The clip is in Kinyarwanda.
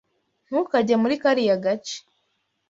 Ntukajye muri kariya gace.